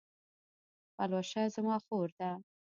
پلوشه زما خور ده